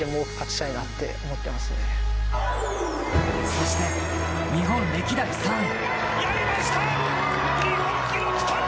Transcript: そして、日本歴代３位。